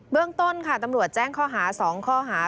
เรื่องต้นค่ะตำรวจแจ้งข้อหา๒ข้อหา